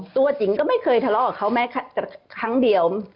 ตัวจิ๋งก็ไม่เคยทะเลาะกับเขาแม้แต่ครั้งเดียว